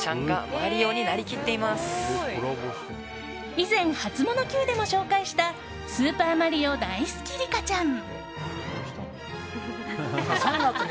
以前、ハツモノＱでも紹介したスーパーマリオだいすきリカちゃん。